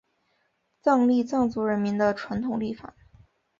藏历藏族人民的传统历法。